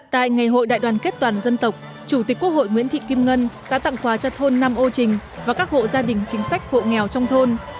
tại ngày hội đại đoàn kết toàn dân tộc chủ tịch quốc hội nguyễn thị kim ngân đã tặng quà cho thôn năm âu trình và các hộ gia đình chính sách hộ nghèo trong thôn